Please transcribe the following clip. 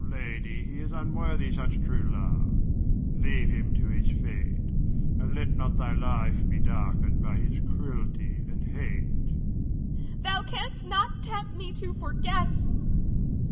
Lady, he is unworthy such true love; leave him to his fate, and let not thy life be darkened by his cruelty and hate. Nina. Thou canst not tempt me to forget.